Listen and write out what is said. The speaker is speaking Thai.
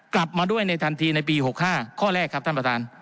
กลับมาด้วยในทันทีในปี๖๕ข้อแรกครับท่านประธาน